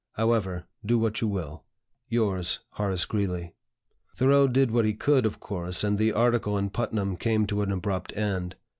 "However, do what you will. Yours, "HORACE GREELEY." Thoreau did what he would, of course, and the article in Putnam came to an abrupt end.